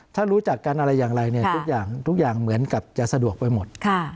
ถ้ารู้จักกันอะไรอย่างไรทุกอย่างเหมือนกับจะสะดวกไปหมด